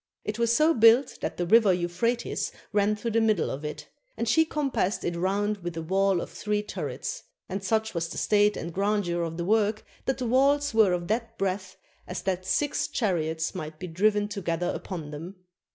It was so built that the river Euphrates ran through the middle of it; and she com passed it round with a wall of three turrets; and such, was the state and grandeur of the work that the walls were of that breadth as that six chariots might be driven together upon them.